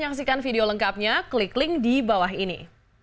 link di bawah ini